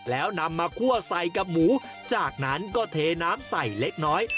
แล้วนำมาคั่วใส่กับหมูจากนั้นก็เทน้ำใส่เล็กน้อย